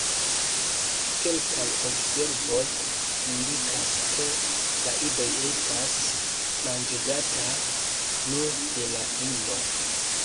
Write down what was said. Kelkaj observoj indikas ke la idoj estas manĝigataj nur de la ino.